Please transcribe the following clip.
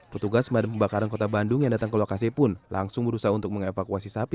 petugas mada pembakaran kota bandung yang datang ke lokasi pun langsung berusaha untuk mengevakuasi sapi